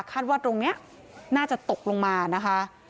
ว่าตรงนี้น่าจะตกลงมานะคะ